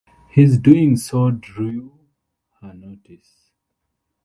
His doing so drew her notice.